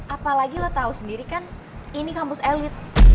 apalagi lo tahu sendiri kan ini kampus elit